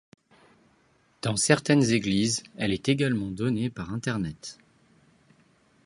Dans certaines églises, elle est également donnée par Internet.